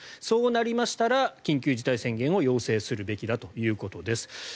そうなりましたら緊急事態宣言を要請するべきだということです。